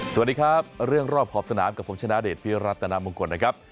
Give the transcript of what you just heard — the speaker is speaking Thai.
สวัสดีครับเรื่องรอบขอบสนามกับผมชนะเดชพิรัตนามงคลนะครับ